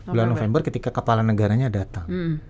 bulan november ketika kepala negaranya datang